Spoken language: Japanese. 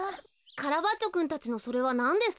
カラバッチョくんたちのそれはなんですか？